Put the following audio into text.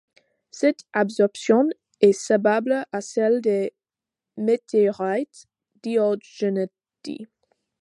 Cet absorption est semblable à celle des météorites diogénites.